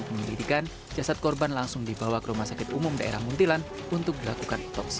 penyelidikan jasad korban langsung dibawa ke rumah sakit umum daerah muntilan untuk dilakukan otopsi